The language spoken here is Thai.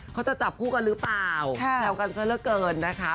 เขาจะจับคู่กันหรือเปล่าแซวกันซะละเกินนะคะ